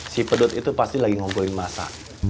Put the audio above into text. si pedut itu pasti lagi ngumpulin masa